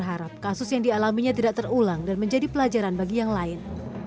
keluarga selamet berharap kasus yang dialaminya tidak terulang dan menjadi pelajaran bagi yang lain